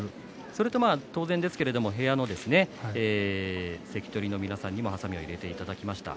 それと当然ですけれど部屋の関取の皆さんにもはさみを入れていただきました。